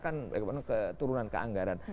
karena kan ke turunan ke anggaran